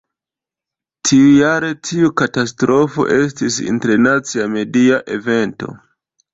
Tiujare, tiu katastrofo estis internacia media evento.